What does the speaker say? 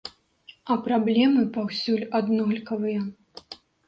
А праблемы паўсюль аднолькавыя.